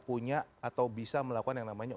punya atau bisa melakukan yang namanya